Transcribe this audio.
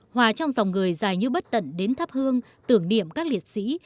hòa trong dòng người dài như bất tận đến thắp hương tưởng niệm các liệt sĩ